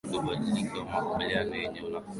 kwa mikataba ya makubaliano yenye unafuu wa kodi